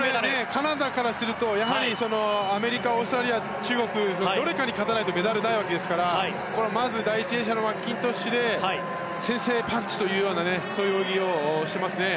カナダからするとアメリカ、オーストラリア中国、どれかに勝たないとメダルがないわけですからまず第１泳者のマッキントッシュで先制パンチという泳ぎをしていますね。